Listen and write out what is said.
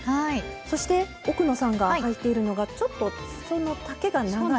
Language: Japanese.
そして奥野さんがはいているのがちょっとすその丈が長い。